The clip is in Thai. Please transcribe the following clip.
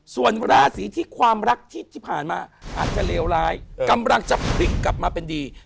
ส่วนราศีที่ความรักที่ผ่านมาอาจจะเลวร้ายกำลังจะพลิกกลับมาเป็นดี